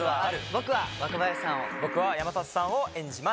僕は若林さ僕は山里さんを演じます。